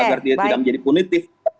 agar dia tidak menjadi punitif